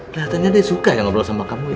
keliatannya dia suka yang ngobrol sama kamu ya